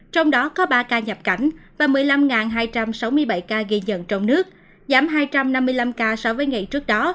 trong đó có ba ca nhập cảnh và một mươi năm hai trăm sáu mươi bảy ca ghi nhận trong nước giảm hai trăm năm mươi năm ca so với ngày trước đó